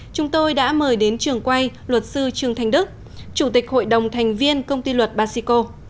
chúng tôi đã mời đến trường quay luật sư trương thanh đức chủ tịch hội đồng thành viên công ty luật basico